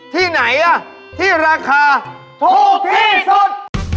ที่ไหนที่ราคาถูกที่สุด